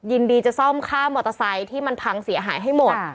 ยินดีจะซ่อมค่ามอเตอร์ไซค์ที่มันพังเสียหายให้หมด